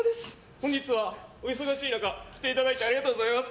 本日はお忙しい中来ていただいてありがとうございます。